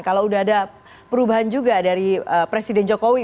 kalau sudah ada perubahan juga dari presiden jokowi